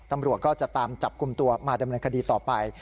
ตำรวจก็จะตามจับกลุ่มตัวมาดำเนินคดีต่อไป